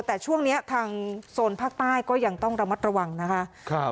แต่ช่วงนี้ทางโซนภาคใต้ก็ยังต้องระมัดระวังนะคะ